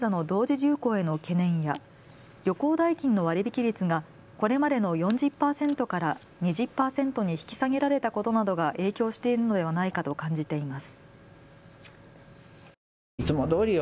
流行への懸念や旅行代金の割引率がこれまでの４０％から２０％に引き下げられたことなどが影響しているのではないかと感じています。